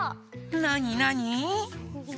なになに？